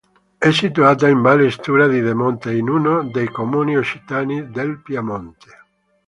È situata in valle Stura di Demonte in uno dei comuni occitani del Piemonte.